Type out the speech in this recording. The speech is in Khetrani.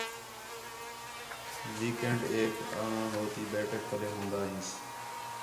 ویک اینڈ ایک آں ہو تی بیٹھک پَلے ہون٘دا ہینس